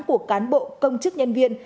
của cán bộ công chức nhân viên